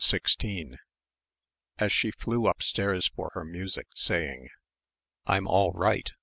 16 As she flew upstairs for her music, saying, "I'm all right.